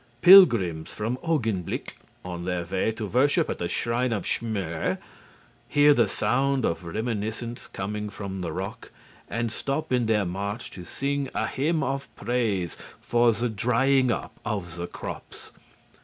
Pilgrims from Augenblick, on their way to worship at the shrine of Schmürr, hear the sound of reminiscence coming from the rock and stop in their march to sing a hymn of praise for the drying up of the crops.